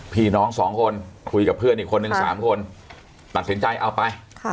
พี่น้องสองคนคุยกับเพื่อนอีกคนนึง๓คนตัดสินใจเอาไป